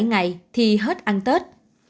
bảy ngày thì hết ăn tết